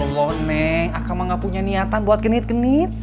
astaghfirullah neng akamah nggak punya niatan buat genit genit